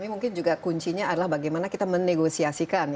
mungkin juga kuncinya adalah bagaimana kita menegosiasikan